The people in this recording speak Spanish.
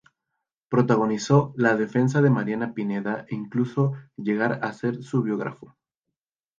Protagonizó la defensa de Mariana Pineda e incluso llegar a ser su biógrafo.